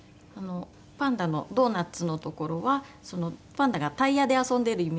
パンダのドーナツの所はパンダがタイヤで遊んでるイメージで。